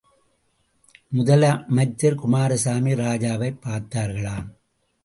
முதலமைச்சர் குமாரசாமி ராஜாவைப்பார்த்தார்களாம்.